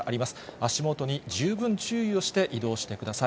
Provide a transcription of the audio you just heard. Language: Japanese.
足元に十分注意をして移動してください。